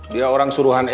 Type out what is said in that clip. dia orang suruhan edy